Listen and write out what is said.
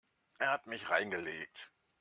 Er hat mich reingelegt.